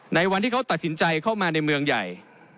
ในวันที่เขาตัดสินใจเข้ามาในเมืองใหญ่